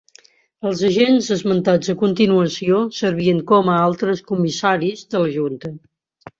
Els agents esmentats a continuació servien com a altres comissaris de la junta.